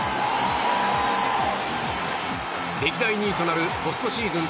歴代２位となるポストシーズン